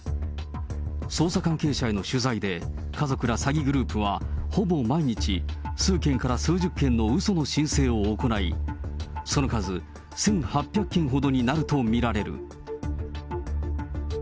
捜査関係者への取材で、家族ら詐欺グループはほぼ毎日、数件から数十件のうその申請を行い、その数１８００件になると見られるという。